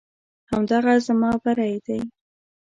همدغه زما بری دی.